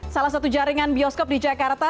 salah satu jaringan bioskop di jakarta